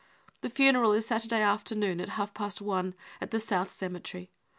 The funeral is Saturday afternoon at half past one, at the South Cemetery.